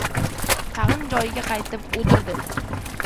Tag‘in joyiga qaytib o‘tirdi.